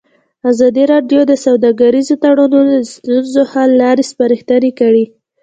ازادي راډیو د سوداګریز تړونونه د ستونزو حل لارې سپارښتنې کړي.